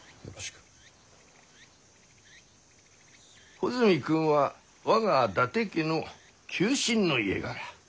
穂積君は我が伊達家の旧臣の家柄。